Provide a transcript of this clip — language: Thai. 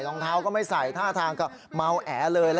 รองเท้าก็ไม่ใส่ท่าทางก็เมาแอเลย